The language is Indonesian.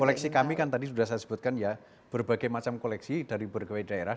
koleksi kami kan tadi sudah saya sebutkan ya berbagai macam koleksi dari berbagai daerah